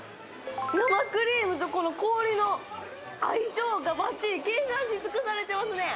生クリームとこの氷の相性がバッチリ計算し尽くされてますね